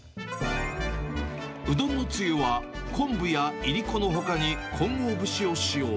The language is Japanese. うどんのつゆは、昆布やいりこのほかに、混合節を使用。